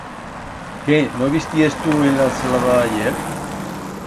Que, no bi'stiés tu en la ensalada d'ayer?